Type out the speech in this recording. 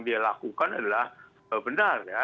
dilakukan adalah benar ya